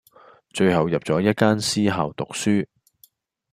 最後入咗一間私校讀書⠀